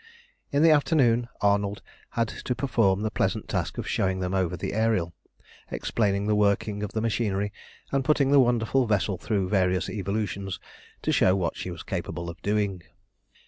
In the afternoon Arnold had had to perform the pleasant task of showing them over the Ariel, explaining the working of the machinery, and putting the wonderful vessel through various evolutions to show what she was capable of doing.